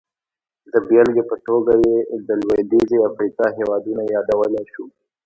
د بېلګې په توګه یې د لوېدیځې افریقا هېوادونه یادولی شو.